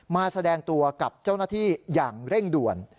แสดงตัวกับเจ้าหน้าที่อย่างเร่งด่วน